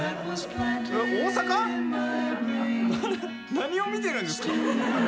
何を見てるんですか？